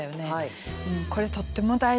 これとっても大事で。